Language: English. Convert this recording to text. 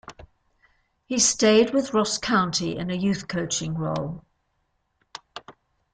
He stayed with Ross County in a youth coaching role.